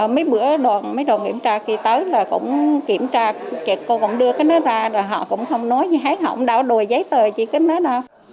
mấy bữa đoàn kiểm tra khi tới là cũng kiểm tra cô còn đưa cái đó ra rồi họ cũng không nói gì hết họ không đào đùa giấy tờ chị cứ nói đó